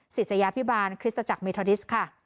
ศิษยาพิบาลคริสตจักรเมทอดิสค่ะ